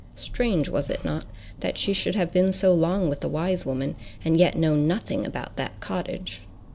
Strange, was it not, that she should have been so long with the wise woman, and yet know nothing about that cottage?